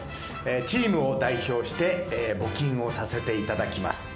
チームを代表して募金をさせていただきます。